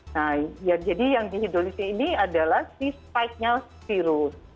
nah ya jadi yang dihidrolisis ini adalah si spikenya virus